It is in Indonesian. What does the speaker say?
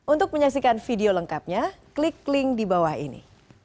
untuk menyaksikan video lengkapnya klik link di bawah ini